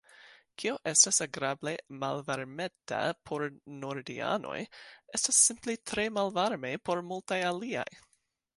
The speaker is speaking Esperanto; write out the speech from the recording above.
Kio estas agrable malvarmeta por nordianoj, estas simple tre malvarme por multaj aliaj.